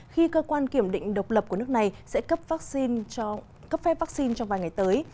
khi cơ quan kiểm định độc lập của nước này sẽ cấp phép vaccine trong vài ngày tới